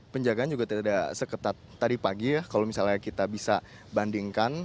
penjagaan juga tidak seketat tadi pagi ya kalau misalnya kita bisa bandingkan